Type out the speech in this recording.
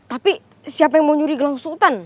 tapi siapa yang mau nyuri gelang sultan